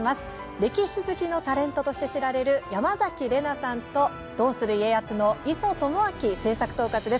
歴史好きのタレントとして知られる、山崎怜奈さんと「どうする家康」の磯智明制作統括です。